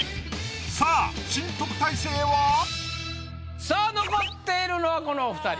さあ新特待生は？さあ残っているのはこのお２人。